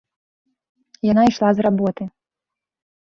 Яна ішла з работы.